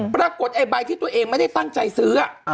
ปรากฏไอ้ใบที่ตัวเองไม่ได้ตั้งใจซื้อ